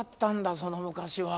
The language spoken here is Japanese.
その昔は。